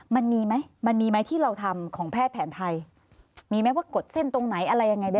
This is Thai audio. มันมีไหมมันมีไหมที่เราทำของแพทย์แผนไทยมีไหมว่ากดเส้นตรงไหนอะไรยังไง